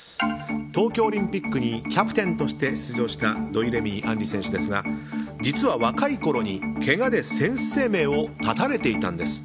東京オリンピックにキャプテンとして出場した土井レミイ杏利選手ですが実は若いころに、けがで選手生命を絶たれていたんです。